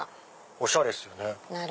おしゃれっすよね。